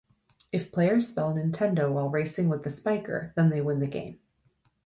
If players spell "Nintendo" while racing with the Spiker, then they win the game.